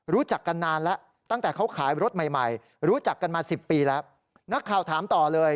รู้จักกันนานแล้วตั้งแต่เขาขายรถใหม่ใหม่รู้จักกันมา๑๐ปีแล้วนักข่าวถามต่อเลย